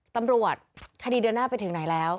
ตำรวจคดีเดินหน้าไปถึงไหนแล้ว